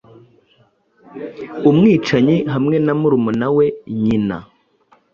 Umwicanyi-hamwe-na murumuna we nyina